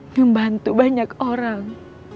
ngebantu banyak orang